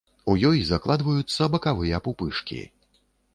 У ёй закладваюцца бакавыя пупышкі.